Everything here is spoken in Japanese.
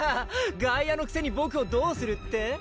外野のくせにボクをどうするって？